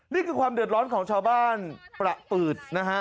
นี่คือความเดือดร้อนของชาวบ้านประปืดนะฮะ